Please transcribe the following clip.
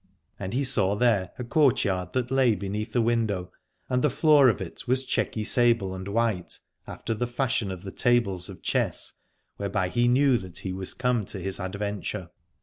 And he saw there a courtyard that lay beneath the window, and the floor of it was chequy sable and white after the fashion of 121 Aladore the tables of chess, whereby he knew that he was come to his adventure.